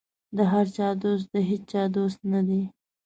د هر چا دوست د هېچا دوست نه دی.